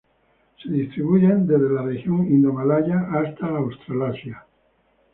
Se distribuyen desde la región Indomalaya hasta Australasia.